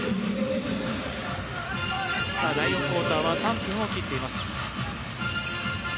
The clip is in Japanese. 第４クオーターは３分を切っています。